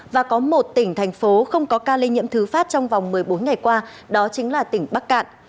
và có một tỉnh thành phố không có ca lây nhiễm thứ phát trong vòng một mươi bốn ngày qua đó chính là tỉnh bắc cạn